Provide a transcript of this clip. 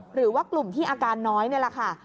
หรือว่ากลุ่มที่อาการน้อยนี่แหละค่ะ